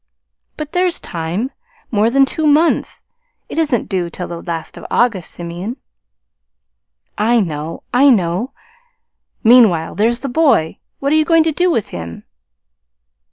"But there's time more than two months. It isn't due till the last of August, Simeon." "I know, I know. Meanwhile, there's the boy. What are you going to do with him?"